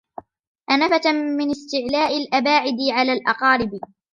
أَنَفَةً مِنْ اسْتِعْلَاءِ الْأَبَاعِدِ عَلَى الْأَقَارِبِ